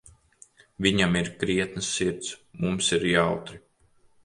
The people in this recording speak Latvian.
Viņam ir krietna sirds, mums ir jautri.